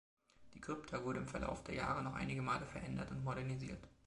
Die Krypta wurde im Verlauf der Jahre noch einige Male verändert und modernisiert.